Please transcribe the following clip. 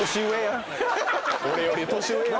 俺より年上やん。